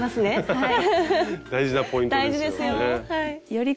はい！